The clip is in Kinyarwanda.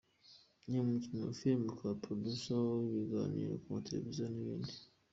Ni umukinnyi wa filimi akaba producer w’ibiganiro ku mateleviziyo n’ibindi.